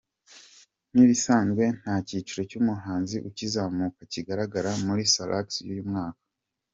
Nk’ibisanzwe nta cyiciro cy’umuhanzi ukizamuka kizagaragara muri Salax y’uyu mwaka.